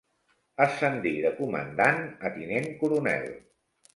Ascendir de comandant a tinent coronel.